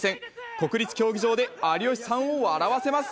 国立競技場で有吉さんを笑わせます。